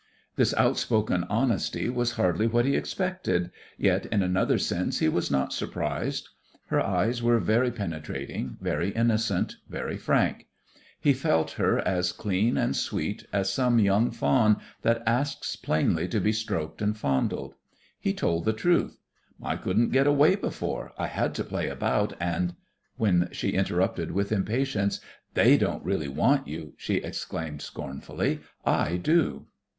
This outspoken honesty was hardly what he expected, yet in another sense he was not surprised. Her eyes were very penetrating, very innocent, very frank. He felt her as clean and sweet as some young fawn that asks plainly to be stroked and fondled. He told the truth: "I couldn't get away before. I had to play about and " when she interrupted with impatience: "They don't really want you," she exclaimed scornfully. "I do."